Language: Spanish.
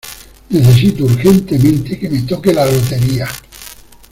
Necesito urgentemente que me toque la lotería.